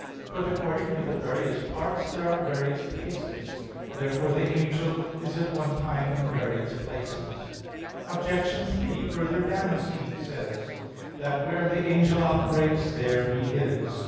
But according to the various parts there are various places. Therefore the angel is at one time in various places. Obj. 3: Further, Damascene says (De Fide Orth. ii) that "where the angel operates, there he is."